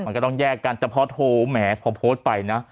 มันก็ต้องแยกกันแต่พอโทรแหมพอโพสต์ไปนะ